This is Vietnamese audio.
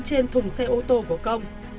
trên thùng xe ô tô của công